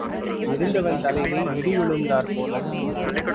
இருந்தவன் தலையிலே இடி விழுந்தாற் போல.